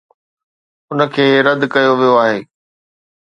ان کي رد ڪيو ويو آهي.